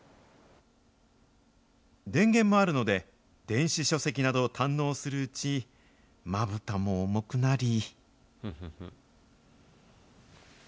電源もあるので、電子書籍などを堪能するうち、まぶたも重くなり。